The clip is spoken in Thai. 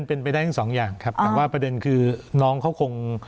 เป็นไปได้ทั้งสองอย่างครับแต่ว่าประเด็นคือน้องเขาคง